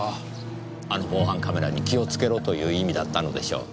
あの防犯カメラに気をつけろという意味だったのでしょう。